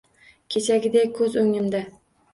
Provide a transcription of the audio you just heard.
Kechagidek ko`z o`ngimda